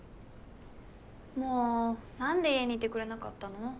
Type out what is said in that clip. もうなんで家にいてくれなかったの。